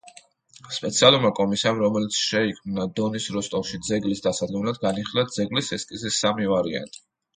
სპეციალურმა კომისიამ, რომელიც შეიქმნა დონის როსტოვში ძეგლის დასადგმელად, განიხილა ძეგლის ესკიზის სამი ვარიანტი.